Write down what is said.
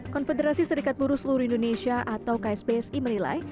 konfederasi serikat buruh seluruh indonesia atau kspsi menilai